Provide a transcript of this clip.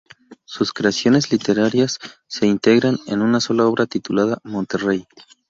Sus creaciones literarias se integran en una sola obra titulada "Monterrey".